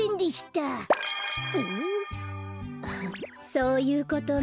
そういうことね。